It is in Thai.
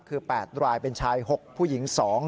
คือ๘รายเป็นชาย๖ผู้หญิง๒